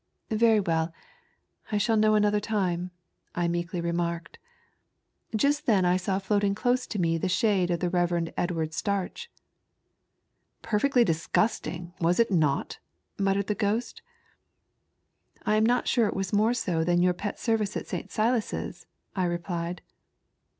Very well, I shall know another time," I meekly remarked. Just then I saw floa.ting close to me the shade of the Rev. Edward Starch. " Perfectly disgusting ! was it not?" muttered the ghost, "I am not sure it was more so than yom pet service at St. Silas's," I replied.